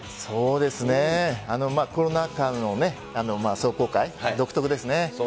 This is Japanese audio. そうですね、コロナ禍の壮行会、独特ですね。